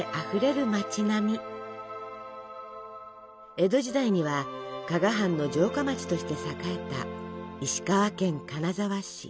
江戸時代には加賀藩の城下町として栄えた石川県金沢市。